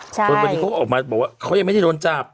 จนวันนี้เขาก็ออกมาบอกว่าเขายังไม่ได้โดนจับ